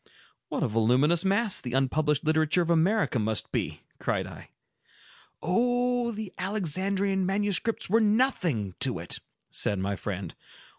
"What a voluminous mass the unpublished literature of America must be!" cried I. "Oh, the Alexandrian manuscripts were nothing to it!" said my friend.